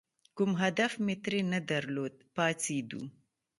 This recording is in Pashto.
کوم هدف مې ترې نه درلود، پاڅېدو.